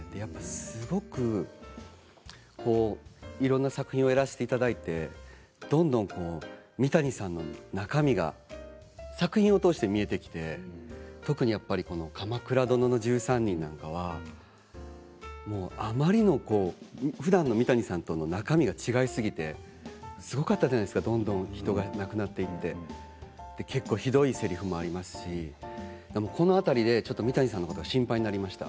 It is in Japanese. すごくいろんな作品をやらせていただいてどんどん三谷さんの中身が作品を通して見えてきて特にやっぱり「鎌倉殿の１３人」なんかはあまりのふだんの三谷さんと中身が違いすぎてすごかったじゃないですか、どんどん人が亡くなっていって結構ひどいせりふもありますしこの辺りで、ちょっと三谷さんのこと心配になりました。